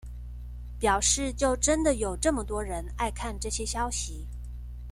表示就真的有這麼多人愛看這些消息